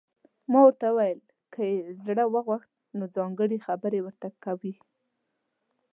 ما ورته وویل: که یې زړه وغوښت، نو ځانګړي خبرې ورته کوي.